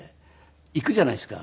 行くじゃないですか。